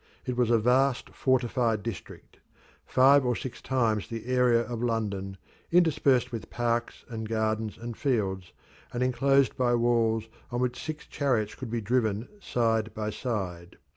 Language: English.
It was a vast fortified district, five or six times the area of London, interspersed with parks and gardens and fields, and enclosed by walls on which six chariots could be driven side by side.